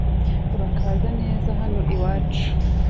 Urakaza neza hano I wacu